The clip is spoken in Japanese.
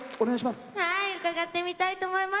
伺ってみたいと思います。